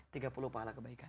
tiga puluh pahala kebaikan